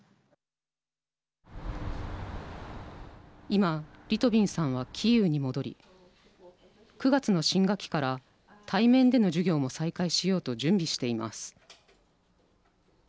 今リトビンさんはキーウに戻り９月の新学期から対面での授業も再開しようと準備しています。